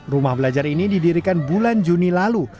rumah belajar ini didirikan bulan juni lalu